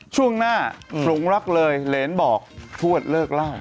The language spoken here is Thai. ช่วงหน้าหลุงรักเลยเหรนบอกทวดเลิกล่า